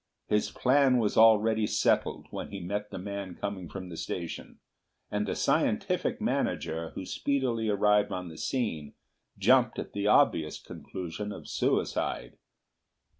His plan was already settled when he met the man coming from the station, and the scientific manager who speedily arrived on the scene jumped at the obvious conclusion of suicide.